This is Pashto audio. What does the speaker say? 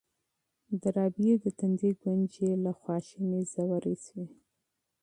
د رابعې د تندي ګونځې له غوسې ژورې شوې.